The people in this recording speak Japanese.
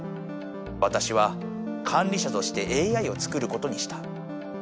わたしは管理者としてＡＩを作ることにした。